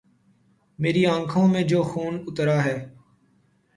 میری آنکھوں میں جو خون اترا ہے